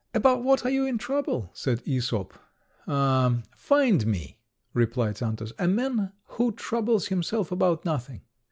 "About what are you in trouble?" said Æsop. "Ah! find me," replied Xantus, "a man who troubles himself about nothing."